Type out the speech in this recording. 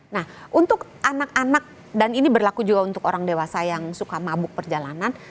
nah untuk anak anak dan ini berlaku juga untuk orang dewasa yang suka mabuk perjalanan